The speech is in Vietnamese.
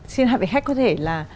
xin hai vị khách có thể là